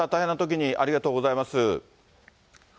大変なときにありがとうございます。